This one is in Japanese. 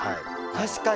確かに。